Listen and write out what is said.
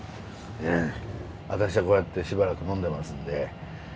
私はこうやってしばらく呑んでますんで。